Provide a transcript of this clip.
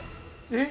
えっ！